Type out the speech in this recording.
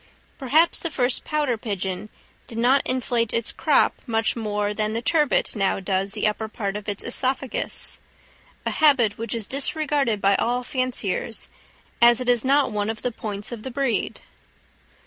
Perhaps the first pouter pigeon did not inflate its crop much more than the turbit now does the upper part of its œsophagus—a habit which is disregarded by all fanciers, as it is not one of the points of the breed.